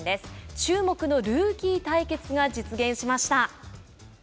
注目のルーキー対決が実現しました。